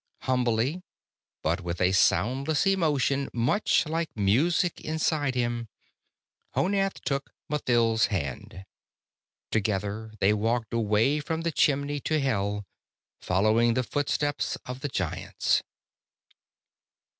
Humbly, but with a soundless emotion much like music inside him, Honath took Mathild's hand. Together they walked away from the chimney to Hell, following the footsteps of the Giants.